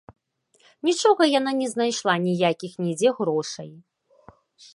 Нічога яна не знайшла, ніякіх нідзе грошай.